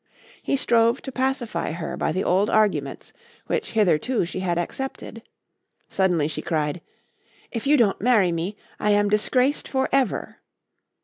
He strove to pacify her by the old arguments which hitherto she had accepted. Suddenly she cried: "If you don't marry me I am disgraced for ever."